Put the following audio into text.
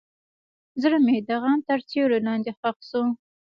زړه مې د غم تر سیوري لاندې ښخ شو.